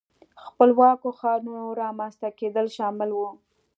خپلواکو ښارونو رامنځته کېدل شامل وو.